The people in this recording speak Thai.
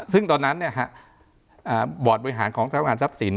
ซึ่งตอนนั้นบอร์ดบริหารของทรัพงานทรัพย์สิน